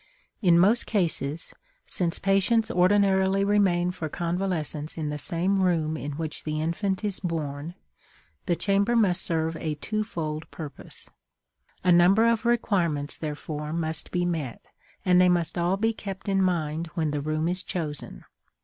In most cases, since patients ordinarily remain for convalescence in the same room in which the infant is born, the chamber must serve a two fold purpose. A number of requirements, therefore, must be met, and they must all be kept in mind when the room is chosen.